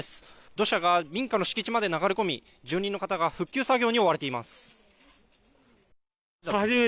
土砂が民家の敷地まで流れ込み、住人の方が復旧作業に追われています。